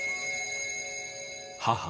「母」